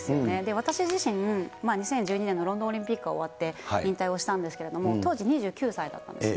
私自身、２０１２年のロンドンオリンピックが終わって引退をしたんですけれども、当時２９歳だったんですね。